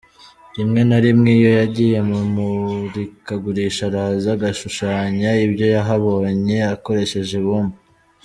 Rimwe na rimwe iyo yagiye mu mamurikagurisha araza agashushanya ibyo yahabonye akoresheje ibumba.